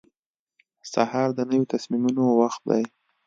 سهار د نوي تصمیمونو وخت دی.